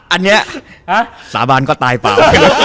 อันนี้สาบานก็ตายเปล่า